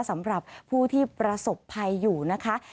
สำหรับผู้ที่ประสบภัยอยู่นะคะ